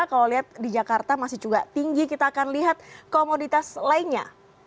kalau lihat di jakarta masih juga tinggi kita akan lihat komoditas lainnya